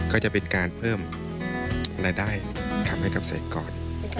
ก็จะเป็นการเพิ่มรายได้ให้กับเกษตรกร